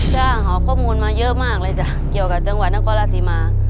หาข้อมูลมาเยอะมากเลยจ้ะเกี่ยวกับจังหวัดนครราชสีมา